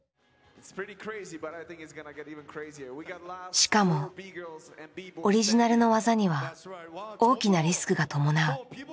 しかもオリジナルの技には大きなリスクが伴う。